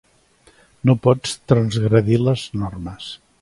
No pots transgredir les normes.